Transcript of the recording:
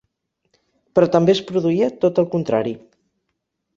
Però també es produïa tot el contrari.